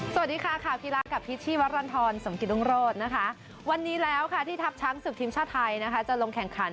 สวัสดีค่ะข่าวกีฬากับพิษชีวรรณฑรสมกิตรุงโรธนะคะวันนี้แล้วค่ะที่ทัพช้างศึกทีมชาติไทยนะคะจะลงแข่งขัน